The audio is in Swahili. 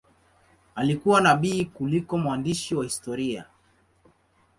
Alikuwa nabii kuliko mwandishi wa historia.